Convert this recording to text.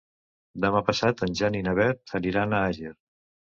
Demà passat en Jan i na Beth aniran a Àger.